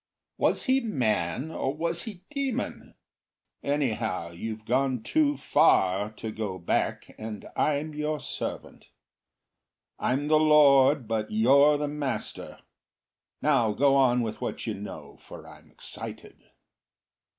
Was he man, or was he demon? Anyhow, you've gone too far To go back, and I'm your servant. I'm the lord, but you're the master. Now go on with what you know, for I'm excited."